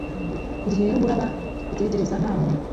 igihe n'umuraba utegereze nta muntu